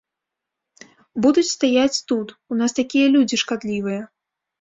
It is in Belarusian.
Будуць стаяць тут, у нас такія людзі шкадлівыя.